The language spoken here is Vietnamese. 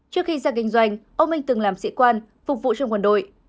trước khi ra kinh doanh ông minh từng làm sĩ quan phục vụ cho quân đội